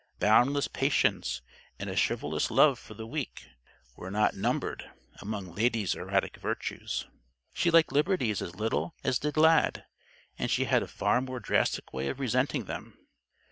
Boundless patience and a chivalrous love for the Weak, were not numbered among Lady's erratic virtues. She liked liberties as little as did Lad; and she had a far more drastic way of resenting them.